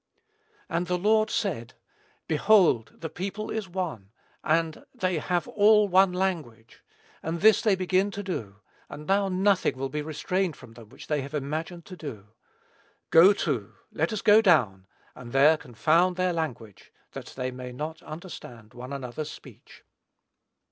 "And the Lord said, Behold, the people is one, and they have all one language; and this they begin to do: and now nothing will be restrained from them which they have imagined to do. Go to, let us go down, and there confound their language, that they may not understand one another's speech.